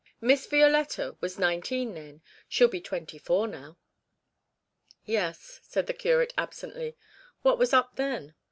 'Miss Violetta was nineteen then; she'll be twenty four now.' 'Yes,' said the curate absently; 'what was up then?'